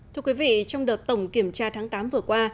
thưa quý vị trong đợt tổng kiểm tra tháng tám vừa qua